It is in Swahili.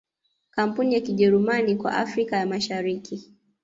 Kampuni ya Kijerumani kwa Afrika ya Mashariki